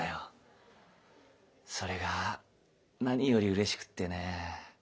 それが何よりうれしくてねぇ。